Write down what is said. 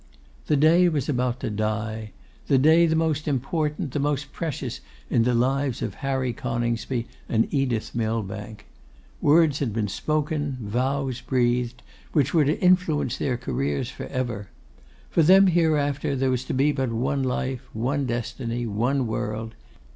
The day was about to die; the day the most important, the most precious in the lives of Harry Coningsby and Edith Millbank. Words had been spoken, vows breathed, which were to influence their careers for ever. For them hereafter there was to be but one life, one destiny, one world.